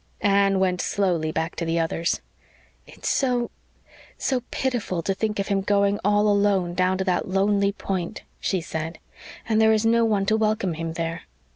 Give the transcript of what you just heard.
Anne went slowly back to the others. "It's so so pitiful to think of him going all alone down to that lonely Point," she said. "And there is no one to welcome him there."